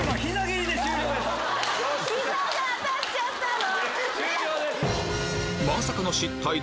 膝が当たっちゃったの。